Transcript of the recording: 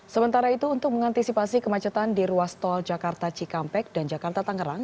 sementara itu untuk mengantisipasi kemacetan di ruas tol jakarta cikampek dan jakarta tangerang